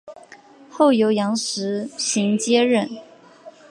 后由杨时行接任。